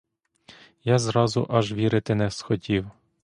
Я зразу аж вірити не схотів.